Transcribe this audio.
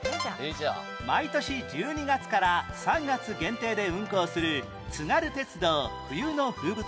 毎年１２月から３月限定で運行する津軽鉄道冬の風物詩